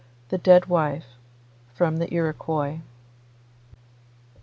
THE DEAD WIFE(20) (20) From the Iroquois.